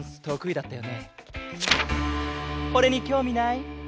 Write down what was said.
これにきょうみない？